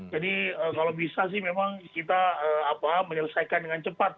jadi kalau bisa sih memang kita menyelesaikan dengan cepat